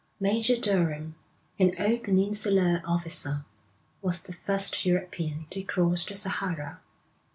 Major Durham, an old Peninsular officer, was the first European to cross the Sahara.